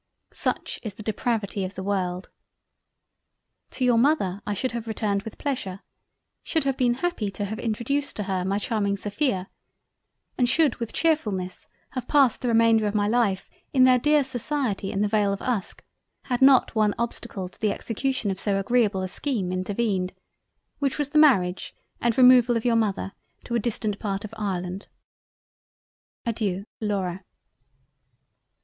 Such is the Depravity of the World! To your Mother I should have returned with Pleasure, should have been happy to have introduced to her, my charming Sophia and should with Chearfullness have passed the remainder of my Life in their dear Society in the Vale of Uske, had not one obstacle to the execution of so agreable a scheme, intervened; which was the Marriage and Removal of your Mother to a distant part of Ireland. Adeiu. Laura.